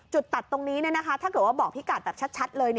ตัดตรงนี้ถ้าเกิดว่าบอกพี่กัดแบบชัดเลย